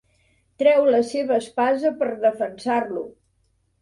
Treu la seva espasa per defensar-lo.